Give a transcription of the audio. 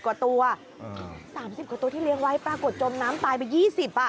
๓๐กว่าตัวที่เลี้ยงไว้ปลากดจมน้ำตายไป๒๐อ่ะ